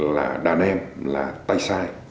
là đàn em là tay sai